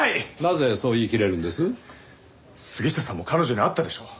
杉下さんも彼女に会ったでしょう。